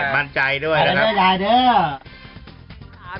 มั่นใจด้วยนะครับ